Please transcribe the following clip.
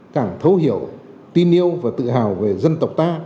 càng thấu hiểu tin yêu và tự hào về dân tộc ta